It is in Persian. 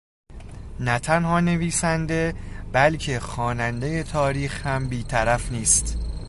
نه تنها نویسنده بلکه خواننده تاریخ هم بی طرف نیست